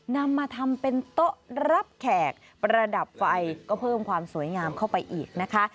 นำมาทำเป็นโต๊ะรับแขกประดับไฟก็เพิ่มความสวยงามเข้าไปอีกนะคะ